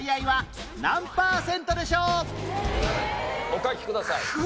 お書きください。